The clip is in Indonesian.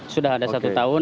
sudah ada satu tahun